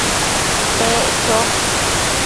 Pec cho